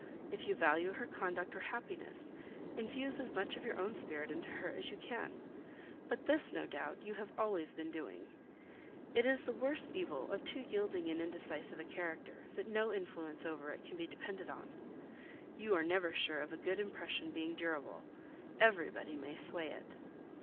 If you value her conduct or happiness, infuse as much of your own spirit into her as you can. But this, no doubt, you have been always doing. It is the worst evil of too yielding and indecisive a character, that no influence over it can be depended on. You are never sure of a good impression being durable; everybody may sway it.